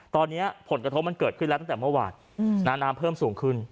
ตอนนี้ผลกระทบมันเกิดขึ้นแล้วตั้งแต่เมื่อวานน้ำเพิ่มสูงขึ้น